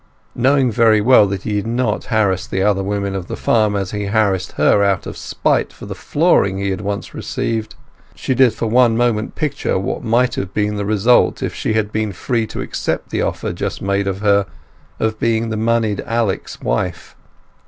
Knowing very well that he did not harass the other women of the farm as he harassed her out of spite for the flooring he had once received, she did for one moment picture what might have been the result if she had been free to accept the offer just made her of being the monied Alec's wife.